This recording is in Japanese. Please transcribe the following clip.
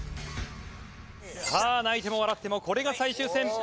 さあ泣いても笑ってもこれが最終戦。